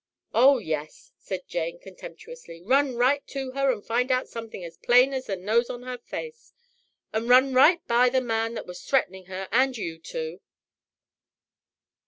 "Oh, yes!" said Jane contemptuously; "run right to her to find out somethin' as plain as the nose on her face, and run right by the man that was threatenin' her and you too."